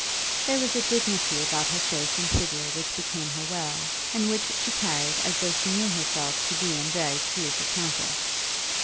There was a dignity about her face and figure which became her well, and which she carried as though she knew herself to be in very truth a countess.